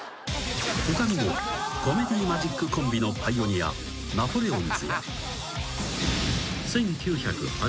［他にもコメディーマジックコンビのパイオニアナポレオンズ］